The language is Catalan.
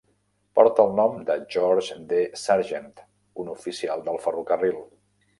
Porta el nom de George D. Sargent, un oficial del ferrocarril.